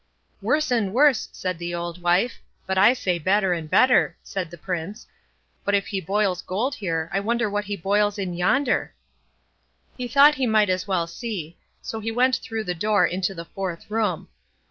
"'Worse and worse', said the old wife; but I say better and better", said the Prince; "but if he boils gold here, I wonder what he boils in yonder." He thought he might as well see; so he went through the door into the fourth room.